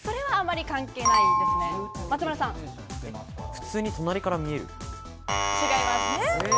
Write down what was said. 普通に隣から見える？違います。